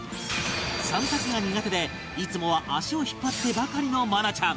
３択が苦手でいつもは足を引っ張ってばかりの愛菜ちゃん